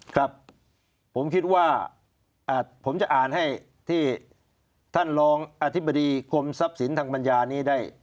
ครับผมคิดว่าผมจะอ่านให้ที่ท่านรองอธิบดีกรมทรัพย์สินทางปัญญานี้ได้